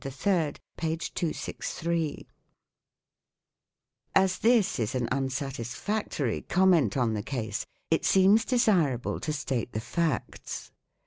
68 " BARONS" AND "KNIGHTS" As this is an unsatisfactory comment on the case, it seems desirable to state the facts.